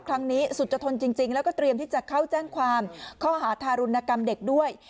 ครั้งนี้สุจทนจริงแล้วก็เตรียมที่จะเข้าแจ้งความข้อหาทารุณกรรมเด็กด้วย